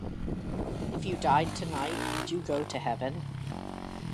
If you died tonight, would you go to heaven?